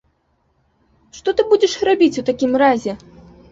Што ты будзеш рабіць у такім разе?